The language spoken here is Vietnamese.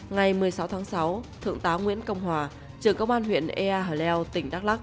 ngày một mươi sáu tháng sáu thượng tá nguyễn công hòa trưởng công an huyện ea hà leo tỉnh đắk lắc